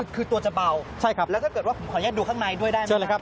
อ๋อคือตัวจะเบาแล้วถ้าเกิดว่าขอแยกดูข้างในด้วยได้ไหมครับ